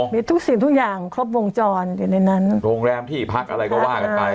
มีทุกสิ่งทุกอย่างครบวงจรอยู่ในนั้นโรงแรมที่พักอะไรก็ว่ากันไป